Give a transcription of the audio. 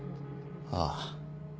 ああ。